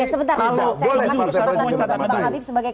tidak boleh partai politik mematamatai